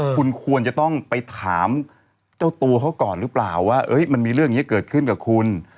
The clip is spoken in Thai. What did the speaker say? คุณควรจะต้องไปถามเจ้าตัวเขาก่อนหรือเปล่าว่ามันมีเรื่องนี้เกิดขึ้นกับคุณ